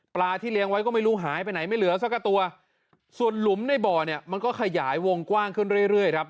ที่เลี้ยงไว้ก็ไม่รู้หายไปไหนไม่เหลือสักตัวส่วนหลุมในบ่อเนี่ยมันก็ขยายวงกว้างขึ้นเรื่อยเรื่อยครับ